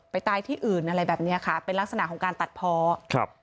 ตายที่อื่นอะไรแบบเนี้ยค่ะเป็นลักษณะของการตัดเพาะครับ